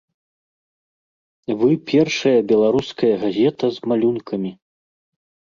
Вы першая беларуская газета з малюнкамі.